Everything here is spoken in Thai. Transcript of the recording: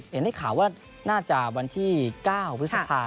เห็นได้ข่าวว่าน่าจะวันที่๙พฤษภา